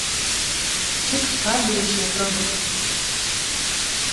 Cik skaļi ir šie produkti?